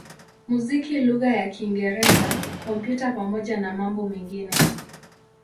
muziki lugha ya Kiingereza, Kompyuta pamoja na mambo mengine.